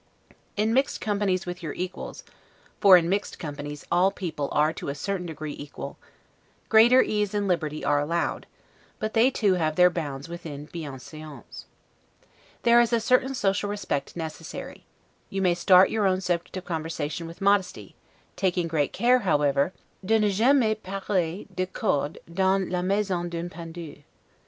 In mixed companies with your equals (for in mixed companies all people are to a certain degree equal), greater ease and liberty are allowed; but they too have their bounds within 'bienseance'. There is a social respect necessary: you may start your own subject of conversation with modesty, taking great care, however, 'de ne jamais parler de cordes dans la maison d'un pendu.